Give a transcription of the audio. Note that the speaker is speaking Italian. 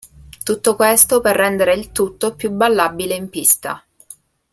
Tutto questo per rendere il tutto più ballabile in pista.